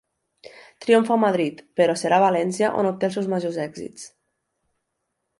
Triomfa a Madrid, però serà a València on obté els seus majors èxits.